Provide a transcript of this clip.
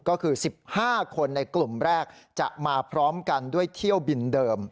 ก็คือ๑๕คนในกลุ่มแรกจะมาพร้อมกันด้วยเที่ยวบินเดิม